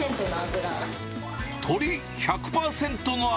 鶏１００％の脂。